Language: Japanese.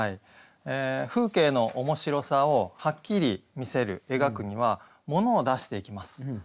風景の面白さをはっきり見せる描くにはモノを出していきます。